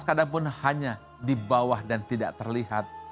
kadang pun hanya di bawah dan tidak terlihat